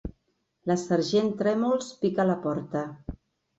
La sergent Trèmols pica a la porta.